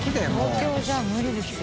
東京じゃ無理ですよ。